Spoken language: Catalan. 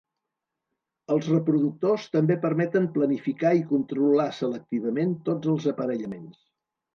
Els reproductors també permeten planificar i controlar selectivament tots els aparellaments.